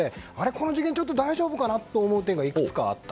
この事件ちょっと大丈夫かな？と思う点がいくつかあった。